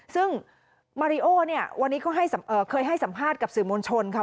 ซึ่งมาริโอเนี่ยวันนี้ก็เคยให้สัมภาษณ์กับสื่อมวลชนค่ะ